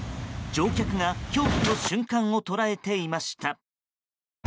乗客が恐怖の瞬間を捉えていました。